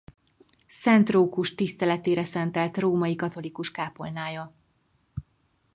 Szent Rókus tiszteletére szentelt római katolikus kápolnája